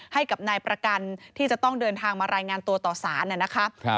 ให้กับนายประกันที่จะต้องเดินทางมารายงานตัวต่อสารนะครับ